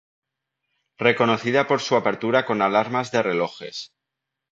Reconocida por su apertura con alarmas de relojes.